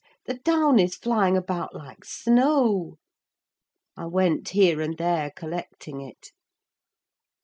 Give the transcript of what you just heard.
The down is flying about like snow." I went here and there collecting it.